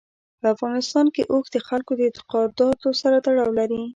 په افغانستان کې اوښ د خلکو د اعتقاداتو سره تړاو لري.